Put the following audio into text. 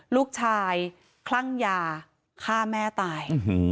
ลูกชายคลั่งยาฆ่าแม่ตาย